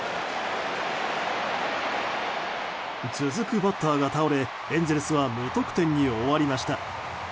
続くバッターが倒れエンゼルスは無得点に終わりました。